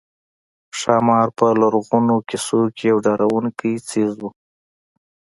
ښامار په لرغونو قصو کې یو ډارونکی څېز وو